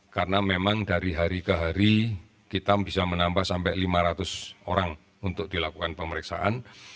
karena memang dari hari ke hari kita bisa menambah sampai lima ratus orang untuk dilakukan pemeriksaan